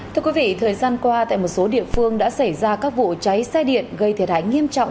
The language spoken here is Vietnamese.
thưa quý vị thời gian qua tại một số địa phương đã xảy ra các vụ cháy xe điện gây thiệt hại nghiêm trọng